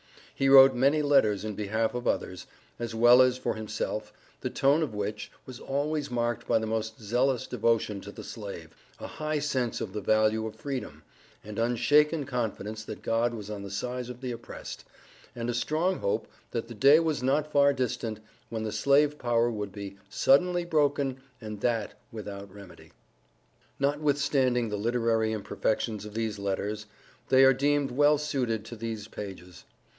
He wrote many letters in behalf of others, as well as for himself, the tone of which, was always marked by the most zealous devotion to the slave, a high sense of the value of Freedom, and unshaken confidence that God was on the side of the oppressed, and a strong hope, that the day was not far distant, when the slave power would be "suddenly broken and that without remedy." Notwithstanding the literary imperfections of these letters, they are deemed well suited to these pages.